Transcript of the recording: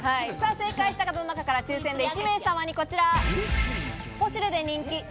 正解した方の中から抽選で１名様にこちら、ポシュレで人気「Ｔー